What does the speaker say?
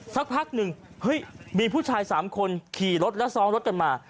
สักพักหนึ่งเฮ้ยมีผู้ชาย๓คนขี่รถแล้วซ้อนรถกันมา